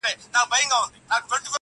خر په خپله ګناه پوه نه سو تر پایه؛